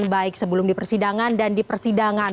baik sebelum di persidangan dan di persidangan